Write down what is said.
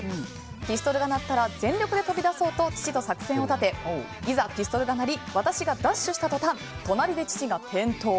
ピストルが鳴ったら全力で飛び出そうと父と作戦を立ていざ、ピストルが鳴り私がダッシュした途端隣で父が転倒。